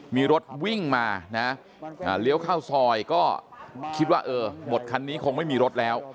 มีรถวิ่งมานะเลี้ยวเข้าซอยก็คิดว่าเออหมดคันนี้คงไม่มีรถแล้ว